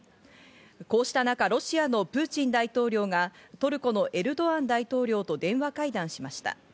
こうしたなか、ロシアのプーチン大統領がトルコのエルドアン大統領と電話会談しました。